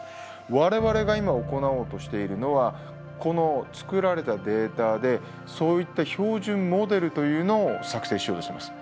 我々が今行おうとしているのはこの作られたデータでそういった標準モデルというのを作成しようとしてます。